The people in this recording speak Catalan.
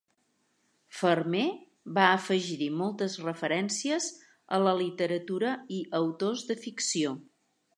Farmer va afegir-hi moltes referències a la literatura i autors de ficció...